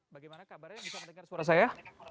bagaimana kabarnya bisa mendengar suara saya